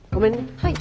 はい。